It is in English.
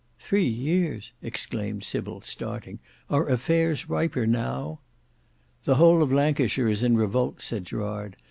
"Three years!" exclaimed Sybil, starting; "are affairs riper now?" "The whole of Lancashire is in revolt," said Gerard.